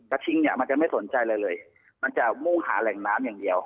กระทิงมันจะไม่สนใจเลยมันจะมุ่งหาแหล่งน้ำอย่างเดียว